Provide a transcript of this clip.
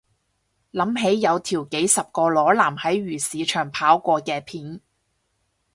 諗起有條幾十個裸男喺漁市場跑過嘅片